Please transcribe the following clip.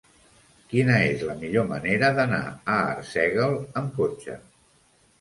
Quina és la millor manera d'anar a Arsèguel amb cotxe?